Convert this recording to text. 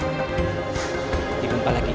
dia juga menangis